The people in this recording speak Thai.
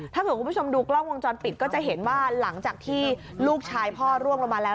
ถ้าเกิดคุณผู้ชมดูกล้องวงจรปิดก็จะเห็นว่าหลังจากที่ลูกชายพ่อร่วงลงมาแล้ว